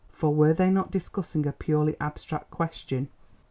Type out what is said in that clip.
For were they not discussing a purely abstract question?